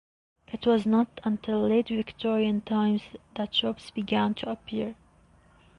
It was not until late Victorian times that shops began to appear.